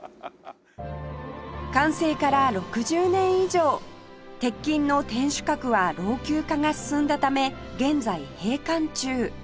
完成から６０年以上鉄筋の天守閣は老朽化が進んだため現在閉館中